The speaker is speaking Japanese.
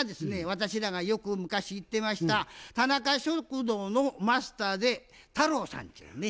私らがよく昔行ってました田中食堂のマスターで太郎さんてゆうね。